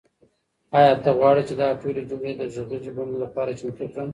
آیا ته غواړې چې دا ټولې جملې د غږیزې بڼې لپاره چمتو کړم؟